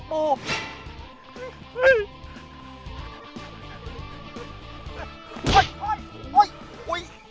ช่วยด้วยปู